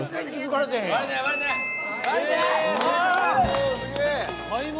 おすげえ。